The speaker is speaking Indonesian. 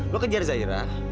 lu kejar zaira